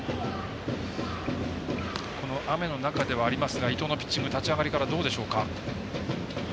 雨の中ではありますが伊藤のピッチング立ち上がりからどうでしょうか？